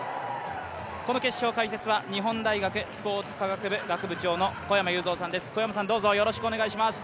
この決勝、解説は日本大学スポーツ科学部学部長の小山裕三さんです。